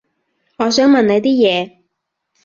我想問你啲嘢